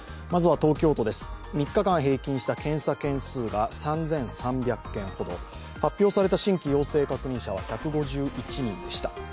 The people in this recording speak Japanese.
まずは東京都です、３日間平均した検査件数が３３００件ほど、発表された新規陽性確認者数は１５１人でした。